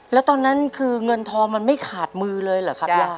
แล้วตอนนั้นคือเงินทองมันไม่ขาดมือเลยเหรอครับย่า